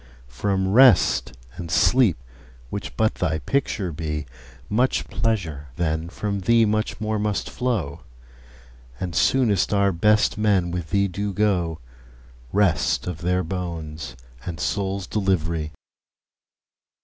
From Rest and Sleep, which but thy picture be, 5 Much pleasure, then from thee much more must flow; And soonest our best men with thee do go— Rest of their bones and souls' delivery!